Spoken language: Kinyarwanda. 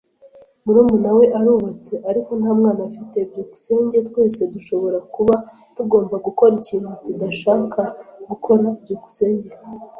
Murumuna we arubatse, ariko nta mwana afite. byukusenge Twese dushobora kuba tugomba gukora ikintu tudashaka gukora. byukusenge